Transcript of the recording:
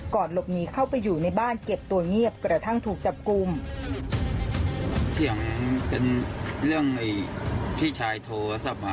หลบหนีเข้าไปอยู่ในบ้านเก็บตัวเงียบกระทั่งถูกจับกลุ่ม